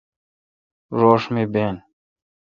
روݭ می بین۔